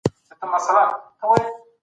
مختلف علمي نظریات د څرګندونې غوښتنې لري.